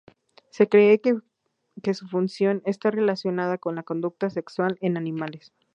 Se cree que su función está relacionada con la conducta sexual en animales.